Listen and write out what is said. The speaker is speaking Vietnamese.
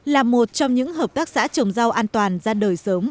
là một trong những hợp tác xã trồng rau an toàn ra đời sớm